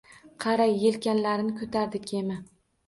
Qara, yelkanlarin ko‘tardi kema.